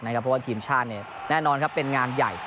เพราะว่าทีมชาติแน่นอนเป็นงานใหญ่